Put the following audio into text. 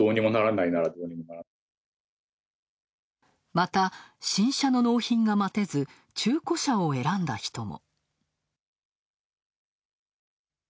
また新車の納品が待てず、中古車を選んだ人も。